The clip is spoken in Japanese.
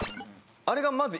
あれがまず。